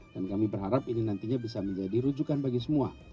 dan kami berharap ini nantinya bisa menjadi rujukan bagi semua